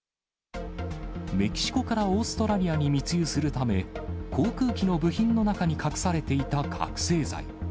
メキシコからオーストラリアに密輸するため、航空機の部品の中に隠されていた覚醒剤。